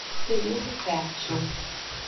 Período fértil